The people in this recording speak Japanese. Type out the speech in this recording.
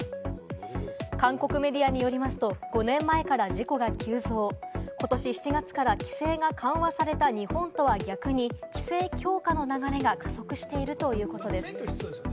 韓国メディアによりますと５年前から事故が急増、ことし７月から規制が緩和された日本とは逆に規制強化の流れが加速しているということです。